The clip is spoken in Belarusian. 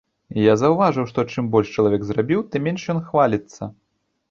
Я заўважыў, што чым больш чалавек зрабіў, тым менш ён хваліцца.